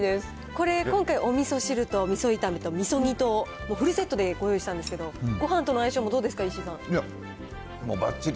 これ、今回、おみそ汁とみそ炒めとみそ煮と、フルセットでご用意したんですけど、ごはんとの相性もどうですかいや、もうばっちり。